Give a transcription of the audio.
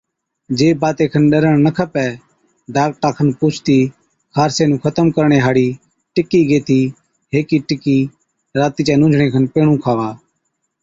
جي باتي کن ڏرڻ نہ کپَي، ڊاڪٽرا کن پُوڇتِي خارسي نُون ختم ڪرڻي هاڙِي ٽڪِي گيهٿِي هيڪ ٽِڪِي راتِي چَي نُونجھڻي کن پيهڻُون کاوا۔